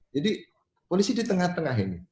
jadi polisi di tengah tengah ini